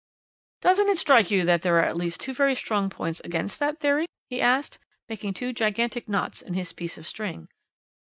"Doesn't it strike you that there are at least two very strong points against that theory?" he asked, making two gigantic knots in his piece of string.